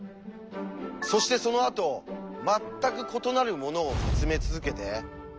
そしてそのあと全く異なるものを見つめ続けて。